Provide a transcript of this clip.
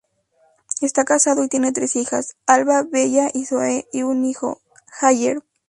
Está casado y tiene tres hijas: Alba, Bella y Zoe, y un hijo, Jagger.